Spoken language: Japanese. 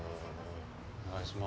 お願いします。